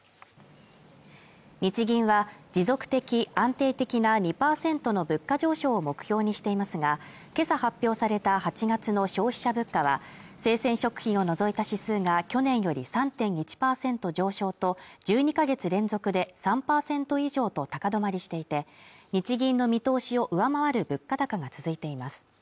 日銀は持続的安定的な２％の物価上昇を目標にしていますが今朝発表された８月の消費者物価は生鮮食品を除いた指数が去年より３．１％上昇と１２カ月連続で３％以上と高止まりしていて日銀の見通しを上回る物価高が続いています